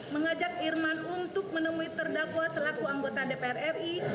mengajak irman untuk menemui terdakwa selaku anggota dpr ri